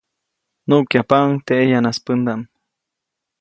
Nuʼkyajpaʼuŋ teʼ ʼeyanaspändaʼm.